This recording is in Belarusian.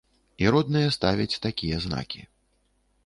І родныя ставяць такія знакі.